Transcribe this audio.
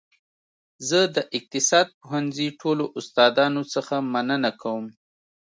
زه د اقتصاد پوهنځي ټولو استادانو څخه مننه کوم